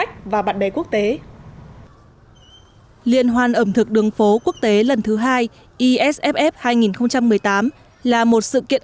khách và bạn bè quốc tế liên hoan ẩm thực đường phố quốc tế lần thứ hai isff hai nghìn một mươi tám là một sự kiện